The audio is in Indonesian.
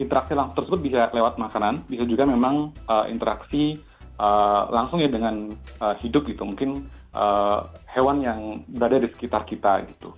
interaksi langsung tersebut bisa lewat makanan bisa juga memang interaksi langsung ya dengan hidup gitu mungkin hewan yang berada di sekitar kita gitu